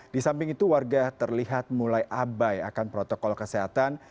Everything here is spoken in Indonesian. di samping itu warga terlihat mulai abai akan protokol kesehatan